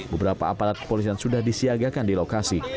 beberapa aparat polisi yang sudah disiagakan di lokasi